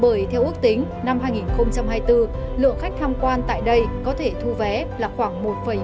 bởi theo ước tính năm hai nghìn hai mươi bốn lượng khách tham quan tại đây có thể thu vé là khoảng một chín